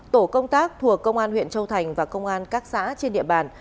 tổ công tác thuộc công an huyện châu thành và công an các xã trên địa bàn